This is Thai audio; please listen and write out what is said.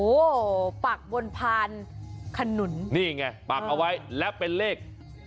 โอ้โหปักบนพานขนุนนี่ไงปักเอาไว้และเป็นเลข